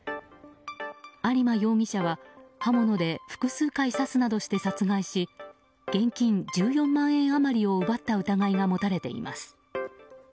有馬容疑者は刃物で複数回刺すなどして殺害し現金１４万円余りを奪った疑いが持たれています。